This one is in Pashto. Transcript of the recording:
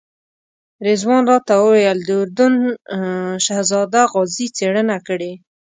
رضوان راته وویل د اردن شهزاده غازي څېړنه کړې.